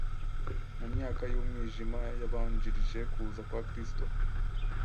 Mu myaka y’umwijima yabanjirije kuza kwa Kristo,